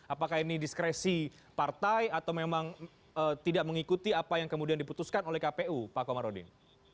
apakah ini diskresi partai atau memang tidak mengikuti apa yang kemudian diputuskan oleh kpu pak komarudin